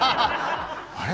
あれ？